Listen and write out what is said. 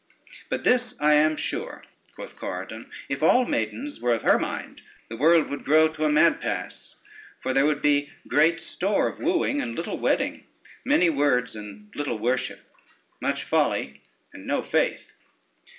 But this I am sure," quoth Corydon, "if all maidens were of her mind, the world would grow to a mad pass; for there would be great store of wooing and little wedding, many words and little worship, much folly and no faith."